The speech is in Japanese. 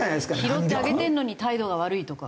拾ってあげてるのに態度が悪いとか。